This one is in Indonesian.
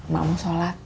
mak mau sholat